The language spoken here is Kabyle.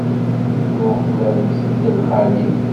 Zzux bab-is d lxali.